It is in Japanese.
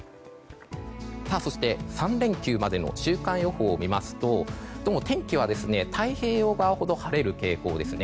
そして３連休までの週間予報を見ますとどうも天気は太平洋側ほど晴れる傾向ですね。